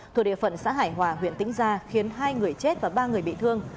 thuộc địa phận xã hải hòa huyện tĩnh gia khiến hai người chết và ba người bị thương